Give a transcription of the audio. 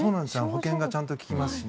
保険がちゃんと利きますし。